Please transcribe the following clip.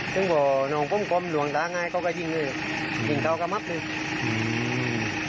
ซึ่งพอน้องปุ้มกลมหลวงตังค่ะเขาก็ยิ่งเลยยิ่งเขาก็มับเลย